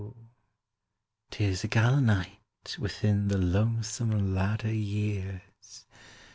't is a gala night Within the lonesome latter years.